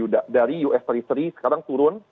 dari us tiga puluh tiga sekarang turun